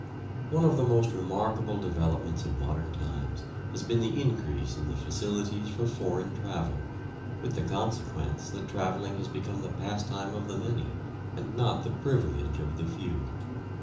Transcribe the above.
One of the most remarkable developments of modern times has been the increase in the facilities for foreign travel, with the consequence that travelling has become the pastime of the many, and not the privilege of the few.